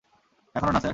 এখনও না, স্যার।